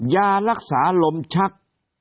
ยารักษาลมชัก